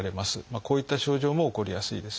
こういった症状も起こりやすいですね。